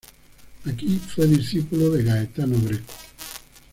Aquí fue discípulo de Gaetano Greco.